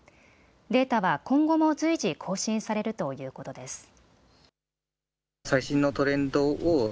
データは今後も随時、更新されるということです。